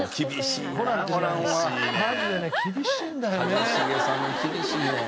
一茂さんに厳しいね。